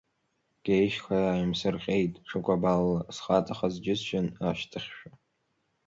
Геи шьхеи ааимсырҟьеит ҽыкәабалла, схаҵахаз џьысшьан, ашьҭахьшәа.